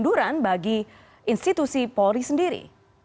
keduduran bagi institusi polri sendiri